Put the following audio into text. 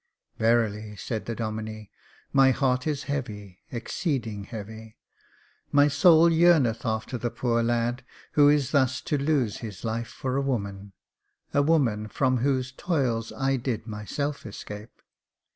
" Verily," said the Domine, " my heart is heavy, ex ceeding heavy ; my soul yearneth after the poor lad, who is thus to lose his life for a woman — a woman from whose toils I did myself escape.